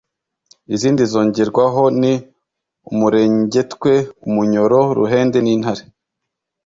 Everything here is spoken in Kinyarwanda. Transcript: Izindi zongerwaho ni Umurengetwe, Umunyoro, Ruhende n’Intare.